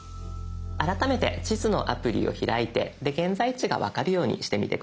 改めて地図のアプリを開いて現在地が分かるようにしてみて下さい。